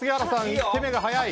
１手目が早い。